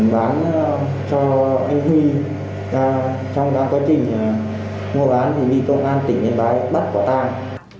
bán cho anh huy trong quá trình mua bán vì công an tỉnh yên bái bắt quả tang